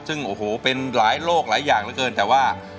ซึ่งโอ้โหเป็นหลายโลกหลายอย่างเหลือเกินแต่ว่า